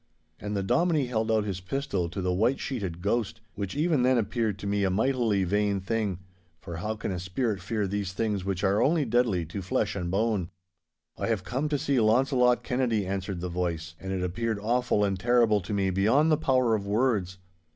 And the Dominie held out his pistol to the white sheeted ghost, which even then appeared to me a mightily vain thing, for how can a spirit fear these things which are only deadly to flesh and bone? 'I have come to see Launcelot Kennedy,' answered the voice, and it appeared awful and terrible to me beyond the power of words.